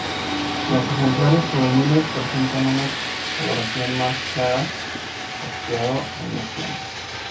Los ejemplares juveniles presentan una coloración más clara y jaspeado en los flancos.